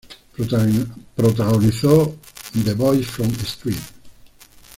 Protagonizó en "The Boys from St.